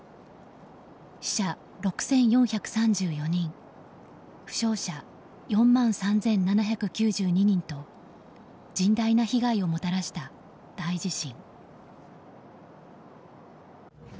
死者６４３４人負傷者４万３７９２人と甚大な被害をもたらした大地震。